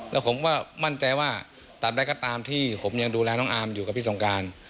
แล้วผมก็มั่นใจว่าตามใดก็ตามที่ผมยังดูแลน้องอาร์มอยู่กับพี่สงการ